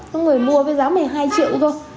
có người mua với giá mười hai triệu thôi